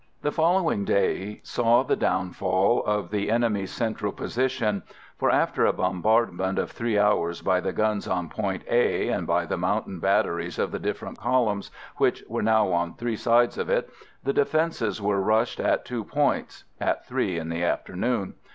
The following day saw the downfall of the enemy's central position, for, after a bombardment of three hours by the guns on Point A and by the mountain batteries of the different columns, which were now on three sides of it, the defences were rushed at two points, at three in the afternoon.